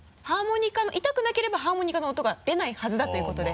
痛くなければハーモニカの音が出ないはずだということで。